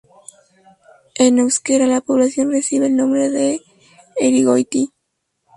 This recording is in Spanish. En euskera la población recibe el nombre de""Errigoiti"".